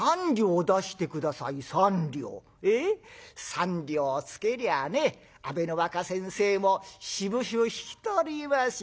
３両つけりゃあね阿部の若先生もしぶしぶ引き取りますよ。